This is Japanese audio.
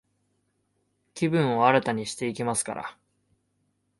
気分を新たにしていきますから、